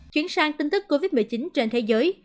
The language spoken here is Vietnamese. chuyển sang tin tức covid một mươi chín trên thế giới